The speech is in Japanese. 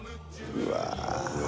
うわ